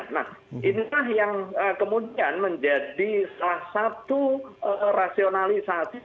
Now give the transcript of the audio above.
nah inilah yang kemudian menjadi salah satu rasionalisasi